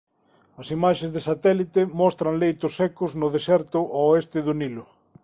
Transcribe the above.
As imaxes de satélite mostran leitos secos no deserto ao oeste do Nilo.